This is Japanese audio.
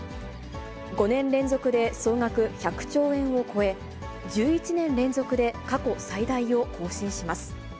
５年連続で総額１００兆円を超え、１１年連続で過去最大を更新します。